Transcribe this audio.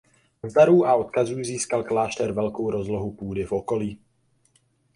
Z darů a odkazů získal klášter velkou rozlohu půdy v okolí.